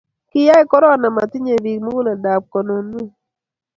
kiyai korona komatinye biik muguleldab konunoe